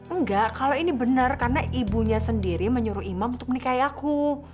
enggak kalau ini benar karena ibunya sendiri menyuruh imam untuk menikahi aku